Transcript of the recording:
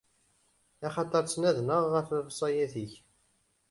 Axaṭer ttnadnɣ ɣef lewṣayat-ik.